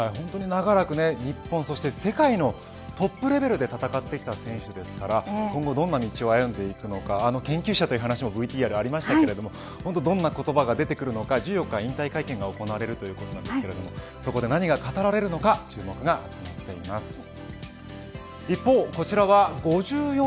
長らく日本、そして世界のトップレベルで戦ってきた選手ですから今後どんな道を歩んでいくのか研究者という話もＶＴＲでありましたがどんな言葉が出てくるのか１４日の引退会見があるということですがそこで何が語られるのか注目が集まります。